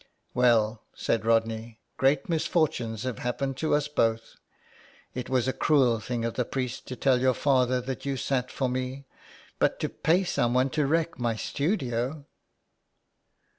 " Well," said Rodney, " great misfortunes have happened to us both. It was a cruel thing of the priest to tell your father that you sat for me. But to pay someone to wreck my studio